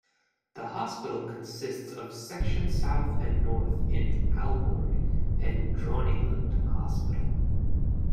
The hospital consists of Section South and North in Aalborg and Dronninglund Hospital.